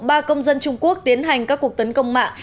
ba công dân trung quốc tiến hành các cuộc tấn công mạng